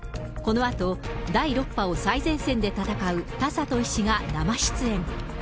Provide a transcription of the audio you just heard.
このあと、第６波を最前線で戦う田里医師が生出演。